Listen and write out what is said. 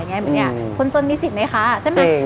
อย่างนี้คนจนมีสิทธิ์ไหมคะใช่ไหม